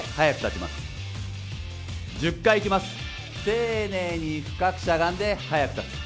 丁寧に深くしゃがんで速く立つ。